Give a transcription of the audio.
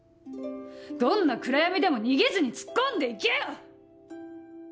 どんな暗闇でも逃げずに突っ込んで行けよ‼